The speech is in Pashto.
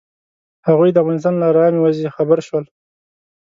هغوی د افغانستان له ارامې وضعې خبر شول.